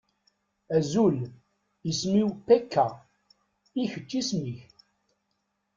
Azul! Isem-iw Pecca. I kečč, isem-ik?